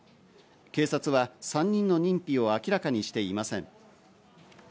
警察は３人の認否を明らかにしていません。